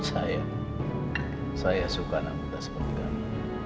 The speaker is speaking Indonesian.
saya saya suka anak muda seperti kamu